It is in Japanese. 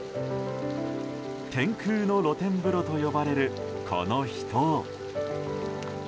天空の露天風呂と呼ばれるこの秘湯。